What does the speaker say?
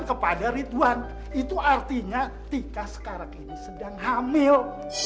kepada ridwan itu artinya tika sekarang ini sedang hamil